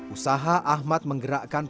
usaha ahmad menggerakkan perusahaan